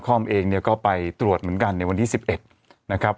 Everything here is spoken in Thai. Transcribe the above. ละคร่อมเองก็ไปตรวจเหมือนกันในวันที่๑๑นะครับ